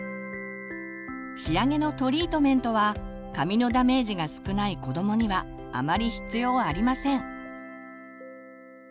仕上げのトリートメントは髪のダメージが少ない子どもにはあまり必要ありません。